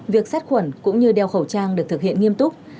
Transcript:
việc sát khuẩn cũng như đeo khẩu trang được thực hiện nghiêm túc